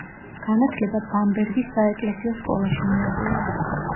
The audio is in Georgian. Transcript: განათლება ბამბერგის საეკლესიო სკოლაში მიუღია.